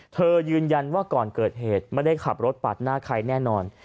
ยืนยันว่าก่อนเกิดเหตุไม่ได้ขับรถปาดหน้าใครแน่นอน